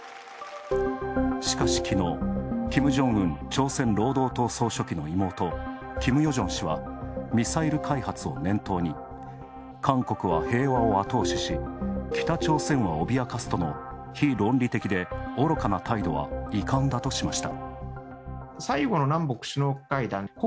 しかし、きのう、キム・ジョンウン朝鮮労働党総書記の妹キム・ヨジョン氏はミサイル開発を念頭に韓国は平和を後押しし、北朝鮮は脅かすとの非論理的で愚かな態度は遺憾だとしました。